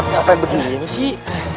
kenapa begini sih